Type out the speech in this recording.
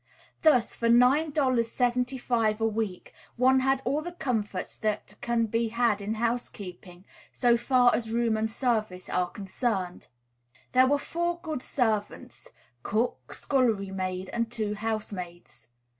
Thus for $9.75 a week one had all the comforts that can be had in housekeeping, so far as room and service are concerned. There were four good servants, cook, scullery maid, and two housemaids.